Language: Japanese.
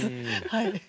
はい。